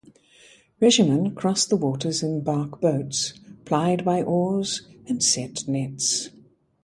Fishermen crossed the waters in bark boats plied by oars, and set nets.